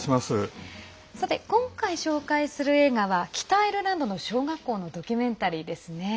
さて、今回ご紹介する映画は北アイルランドの小学校のドキュメンタリーですね。